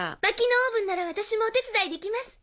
薪のオーブンなら私もお手伝いできます。